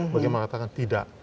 bagi mengatakan tidak